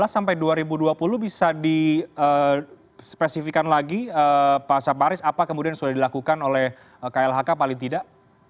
dua ribu lima belas sampai dua ribu dua puluh bisa dispesifikan lagi pak asap baris apa kemudian sudah dilakukan oleh klhk paling tidak